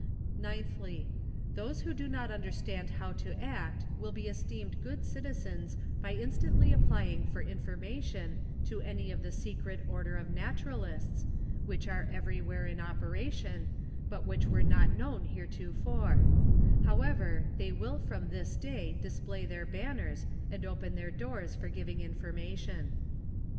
Ninthly —Those who do not understand how to act will be esteemed good citizens by instantly applying for infor mation to any of the Secret Order of Naturalists, wliich are everywhere in operation, but whicli were not known here tofore ; however, they will from this day display their ban ners and open their doors for giving information.